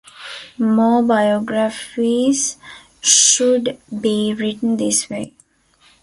More biographies should be written this way.